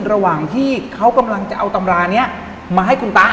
ระหว่างที่เขากำลังจะเอาตำรานี้มาให้คุณตา